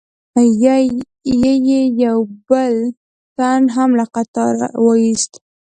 یې یو بل تن هم له قطاره و ایست.